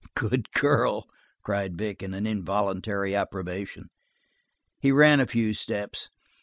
"Good girl!" cried Vic, in involuntary approbation. He ran a few steps.